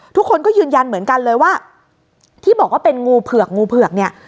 ทุกคนก็ยืนยันเหมือนกันเลยว่าที่บอกว่าเป็นงูเผือกงูเผือกเนี่ย